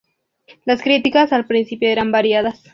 Las críticas al principio eran variadas.